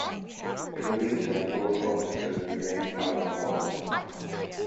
In the meantime both officers remained out on bond.